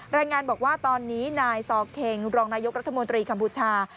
รายงานบอกว่าตอนนี้นายซอเคงรองนายกรัฐมนตรีกัมพูชา